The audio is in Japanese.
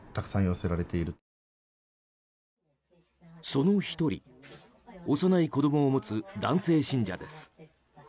その１人幼い子供を持つ男性信者です。